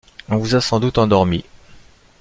On vous a sans doute endormie?